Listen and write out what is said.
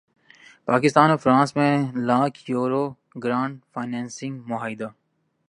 پاکستان اور فرانس میں lakh euro grant financing معاہدہ